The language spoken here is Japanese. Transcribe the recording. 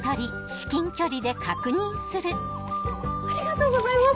ありがとうございます。